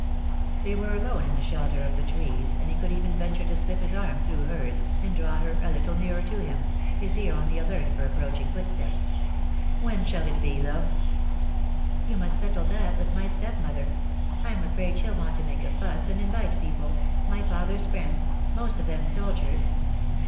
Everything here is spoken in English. They were alone in the shelter of the trees, and he could even venture to slip his arm through hers, and draw her a little nearer to him, his ear on the alert for approaching footsteps. "When shall it be, love?" 236 DEAD LOVE HAS CHAINS. "You must settle that with my stepmother. I'm afraid she'll want to make a fuss and invite people — my father's friends — most of them soldiers.